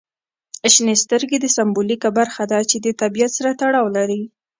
شنې سترګې د سمبولیکه برخه ده چې د طبیعت سره تړاو لري.